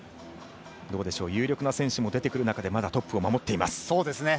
どうでしょう有力な選手も出てくる中でまだトップを守っています。